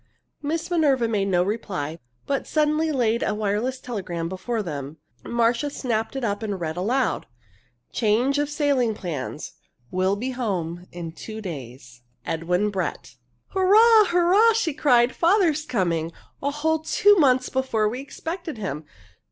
Miss Minerva made no reply, but suddenly laid a wireless telegram before them. Marcia snatched it up and read aloud: "Change of sailing plans. Will be home in two days. "EDWIN BRETT." "Hurrah! hurrah!" she cried. "Father's coming! A whole two months before we expected him!